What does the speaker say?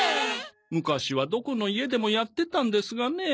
昔はどこの家でもやってたんですがね。